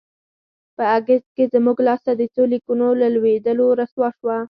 په اګست کې زموږ لاسته د څو لیکونو له لوېدلو رسوا شوه.